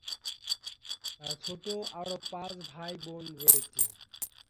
তার ছোট আরও পাঁচ ভাইবোন রয়েছে।